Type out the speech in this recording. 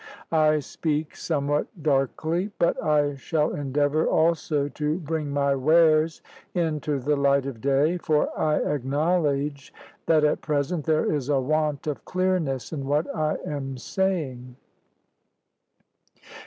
I speak somewhat darkly, but I shall endeavour also to bring my wares into the light of day, for I acknowledge that at present there is a want of clearness in what I am saying.